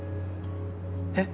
えっ？